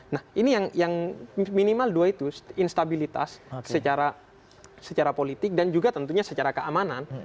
nah ini yang minimal dua itu instabilitas secara politik dan juga tentunya secara keamanan